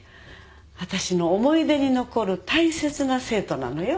私の思い出に残る大切な生徒なのよ。